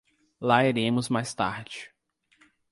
lá iremos mais tarde